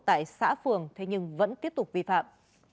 tại xã phường thế nhưng vẫn tiếp tục vi phạm